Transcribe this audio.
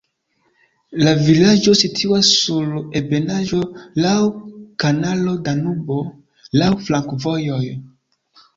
La vilaĝo situas sur ebenaĵo, laŭ kanalo Danubo, laŭ flankovojoj.